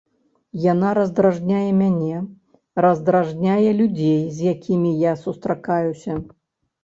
Яна раздражняе мяне, раздражняе людзей, з якімі я сустракаюся.